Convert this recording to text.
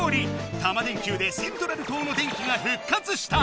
タマ電Ｑでセントラル島の電気がふっかつした！